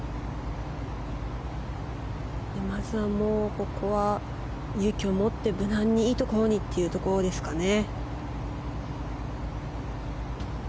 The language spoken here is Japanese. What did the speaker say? まずはここは勇気を持って無難にいいところにというところですかね。